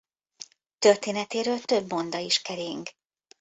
Történetéről több monda is kering.